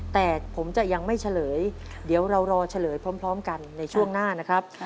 แต่ผมจะยังไม่เฉลยเดี๋ยวเรารอเฉลยพร้อมกันในช่วงหน้านะครับ